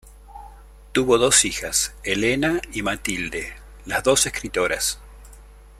Tuvo dos hijas, Elena y Matilde, las dos escritoras.